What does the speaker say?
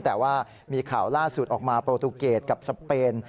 แต่ว่ามีข่าวล่าสุดออกมาโปรตูเกตกับสเปน